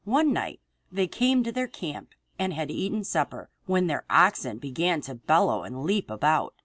One night they came to their camp and had eaten supper, when their oxen began to bellow and leap about.